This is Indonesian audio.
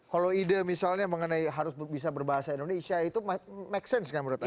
kalau ide misalnya mengenai harus bisa berbahasa indonesia itu make sense kan menurut anda